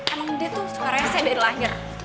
emang dia tuh suka rese dari lahir